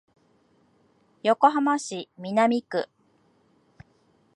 横浜市南区